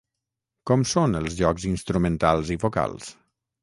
Com són els jocs instrumentals i vocals?